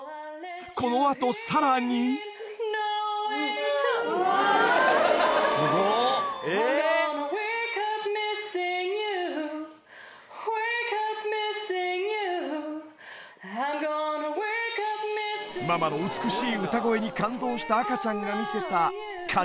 このあとさらにママの美しい歌声に感動した赤ちゃんが見せた感